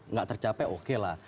nggak tercapai oke lah